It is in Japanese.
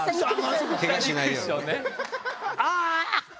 ケガしないようにね。